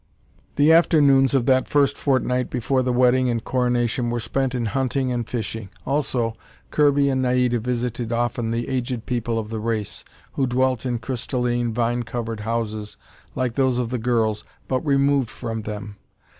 The afternoons of that first fortnight before the wedding and coronation were spent in hunting and fishing. Also Kirby and Naida visited often the aged people of the race, who dwelt in crystalline, vine covered houses like those of the girls, but removed from them.